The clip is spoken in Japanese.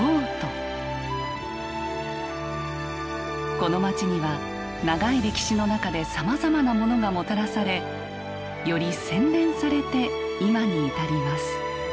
この街には長い歴史の中でさまざまなモノがもたらされより洗練されて今に至ります。